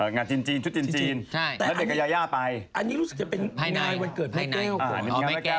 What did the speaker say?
งานจีนจีนชุดจีนจีนและเป็นกับยาย่าไปผ่าน๙ผมนะก็ว่าโอเค